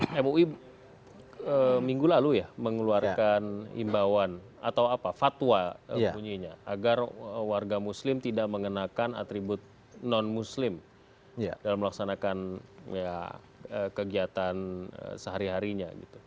mui minggu lalu ya mengeluarkan imbauan atau apa fatwa bunyinya agar warga muslim tidak mengenakan atribut non muslim dalam melaksanakan kegiatan sehari harinya gitu